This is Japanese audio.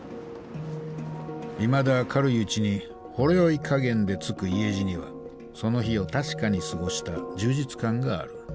いまだ明るいうちにほろ酔いかげんでつく家路にはその日を確かに過ごした充実感がある。